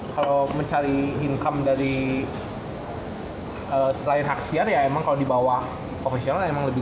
kalo mencari income dari setelahin haksiar ya emang kalo dibawah profesional emang lebih